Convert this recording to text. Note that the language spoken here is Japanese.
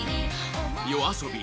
ＹＯＡＳＯＢＩ